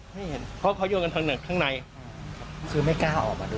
ไม่เห็นเพราะเขาโยนกันข้างในคือไม่กล้าออกมาดู